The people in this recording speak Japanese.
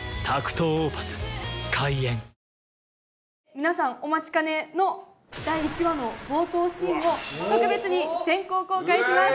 皆さんお待ちかねの第１話の冒頭シーンを特別に先行公開します。